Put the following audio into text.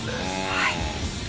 はい。